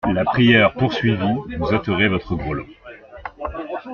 La prieure poursuivit : Vous ôterez votre grelot.